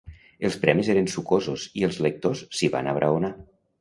Els premis eren sucosos i els lectors s'hi van abraonar.